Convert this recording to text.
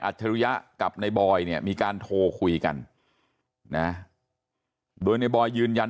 ฉริยะกับในบอยเนี่ยมีการโทรคุยกันนะโดยในบอยยืนยัน